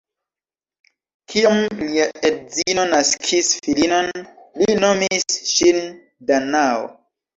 Kiam lia edzino naskis filinon, li nomis ŝin Danao.